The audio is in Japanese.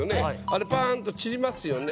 あれパンと散りますよね。